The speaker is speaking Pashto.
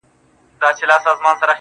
خو زه به بیا هم تر لمني انسان و نه نیسم